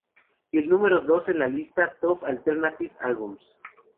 Y el número dos en la lista "Top Alternative Albums".